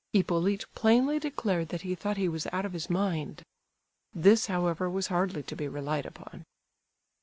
Hippolyte plainly declared that he thought he was out of his mind;—this, however, was hardly to be relied upon.